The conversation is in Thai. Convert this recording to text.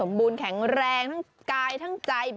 ตามไปดูกันว่าเขามีการแข่งขันอะไรที่เป็นไฮไลท์ที่น่าสนใจกันค่ะ